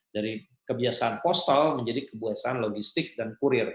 dari kebiasaan postal menjadi kebiasaan logistik dan kurir